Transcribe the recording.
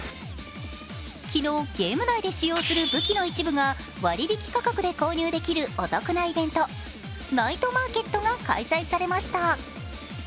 昨日、ゲーム内で使用する武器の一部が割引価格で購入できるお得なイベント、ナイトマーケットが開催されました。